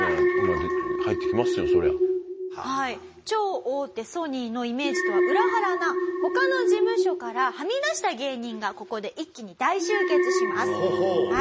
超大手ソニーのイメージとは裏腹な他の事務所からはみ出した芸人がここで一気に大集結します。